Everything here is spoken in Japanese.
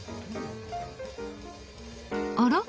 あら？